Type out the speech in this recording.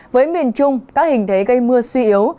với miền trung các hình thế gây mưa suy yếu